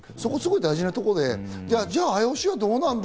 大事なところで、じゃあＩＯＣはどうなんだ？